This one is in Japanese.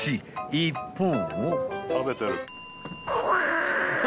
［一方］